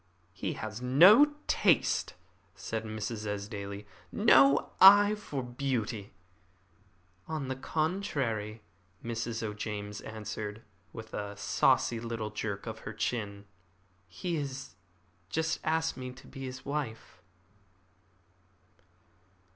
"He has no taste," said Mrs. Esdaile "no eye for beauty." "On the contrary," Mrs. O'James answered, with a saucy little jerk of the chin. "He has just asked me to be his wife."